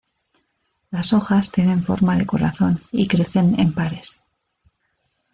Las hojas tienen forma de corazón y crecen en pares.